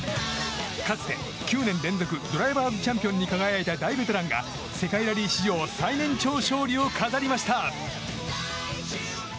かつて、９年連続ドライバーズチャンピオンに輝いた、大ベテランが世界ラリー史上最年長勝利を飾りました。